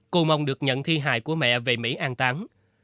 cô mong được nhận thi hài của mẹ về mỹ an tán